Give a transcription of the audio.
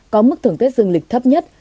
có mức thưởng tết dương lịch thấp nhất